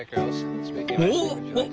「おっ！